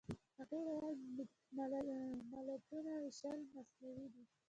هغوی ویل ملتونو وېشل مصنوعي دي.